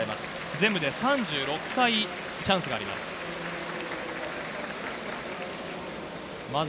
全部で３６回チャンスがあります。